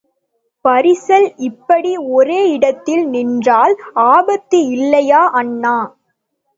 பரிசல் இப்படி ஒரே இடத்தில் நின்றால் ஆபத்து இல்லையா, அண்ணா?